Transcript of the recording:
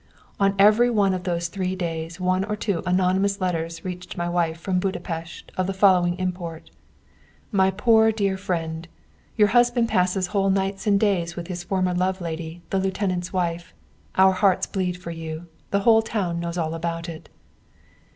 On every one of these three days one or two anonymous letters reached my wife from Buda Pest of the following import: "My poor dear friend, Your husband passes whole nights and days with his former lady love, the lieutenant's wife. Our hearts bleed for you. The whole town knows all about it."